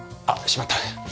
あっしまった！